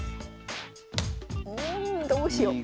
うんどうしよう。